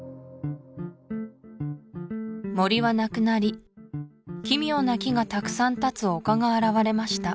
森はなくなり奇妙な木がたくさん立つ丘が現れました